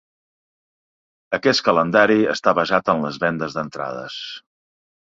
Aquest calendari està basat en les vendes d'entrades.